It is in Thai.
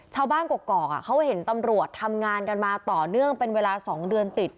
ชาวบ้านกรอกกรอกอ่ะเขาเห็นตำรวจทำงานกันมาต่อเนื่องเป็นเวลาสองเดือนติด